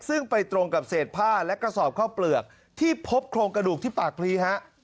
ซึ่งไปตรงกับเศษผ้าและกระสอบข้าวเปลือกที่พบโครงกระดูกที่ปากพลีฮะ